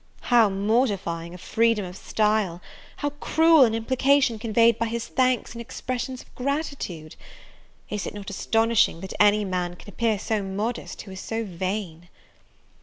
How mortifying a freedom of style! how cruel an implication conveyed by his thanks and expressions of gratitude! Is it not astonishing, that any man can appear so modest, who is so vain?